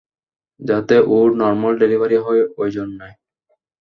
যাতে ওর normal delivery হয়, এইজন্যে।